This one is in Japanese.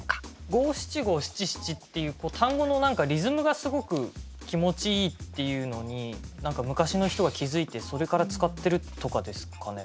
五七五七七っていう単語のリズムがすごく気持ちいいっていうのに何か昔の人が気付いてそれから使ってるとかですかね？